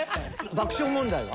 爆笑問題は？